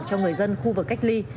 cho người dân khu vực này